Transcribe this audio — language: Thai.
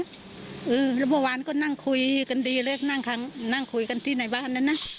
แล้วเมื่อวานก็นั่งคุยกันดีเลยนั่งคุยกันที่ในบ้านนั้นนะ